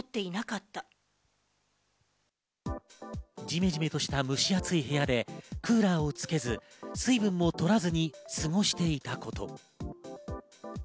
じめじめとした蒸し暑い部屋でクーラーをつけず、水分も取らずに過ごしていたこと。